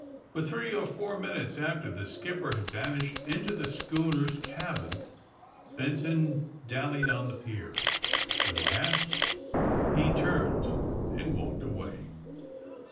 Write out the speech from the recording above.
For three or four minutes after the skipper had vanished into the schoon 44 THE SUBMARINE BOYS er's cabin Benson dallied on the pier. At last he turned and walked away.